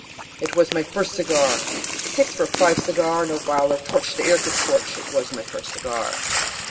It was my first cigar! A six for five cigar! No viler torch the air could scorch It was my first cigar!